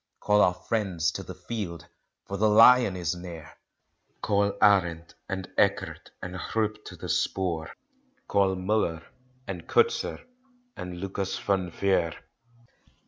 Call our friends to the field for the lion is near! Call Arend and Ekhard and Groepe to the spoor; Call Muller and Coetzer and Lucas Van Vuur.